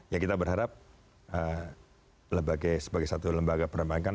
ya kita berharap sebagai satu lembaga perdamaikan